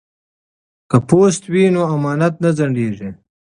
که پوست وي نو امانت نه ځنډیږي.